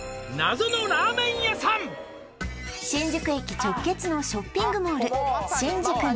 新宿駅直結のショッピングモール